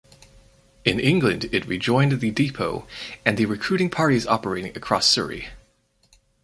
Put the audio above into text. In England it rejoined the depot and the recruiting parties operating across Surrey.